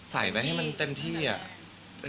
ใส่ไว้ให้มันเต็มที่อ่ะ